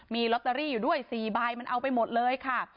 มีลอตเตอรี่อยู่ด้วย๔ใบมันเอาไปหมดเลยค่ะ